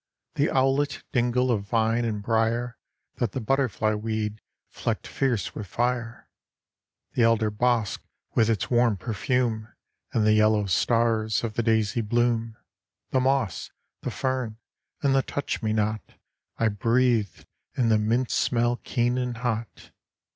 The owlet dingle of vine and brier, That the butterfly weed flecked fierce with fire. The elder bosk with its warm perfume, And the yellow stars of the daisy bloom; The moss, the fern, and the touch me not I breathed, and the mint smell keen and hot.